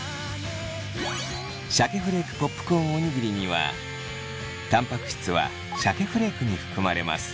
シャケフレークポップコーンおにぎりにはたんぱく質はシャケフレークに含まれます。